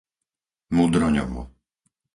Mudroňovo